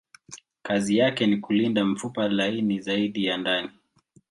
Kazi yake ni kulinda mfupa laini zaidi ya ndani.